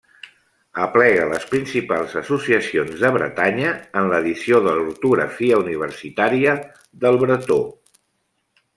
Aplega les principals associacions de Bretanya en l'edició de l'ortografia universitària del bretó.